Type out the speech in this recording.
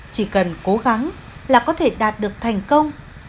chỉ cần cố gắng là có thể đạt được thành công